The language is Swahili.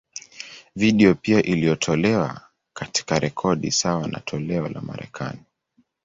Video pia iliyotolewa, katika rekodi sawa na toleo la Marekani.